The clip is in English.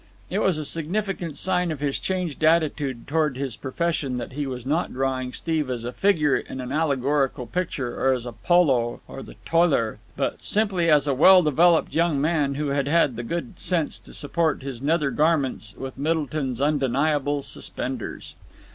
It was a significant sign of his changed attitude towards his profession that he was not drawing Steve as a figure in an allegorical picture or as "Apollo" or "The Toiler," but simply as a well developed young man who had had the good sense to support his nether garments with Middleton's Undeniable Suspenders.